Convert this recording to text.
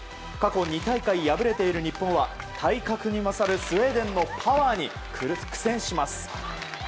過去２大会敗れている日本は体格に勝るスウェーデンのパワーに苦戦します。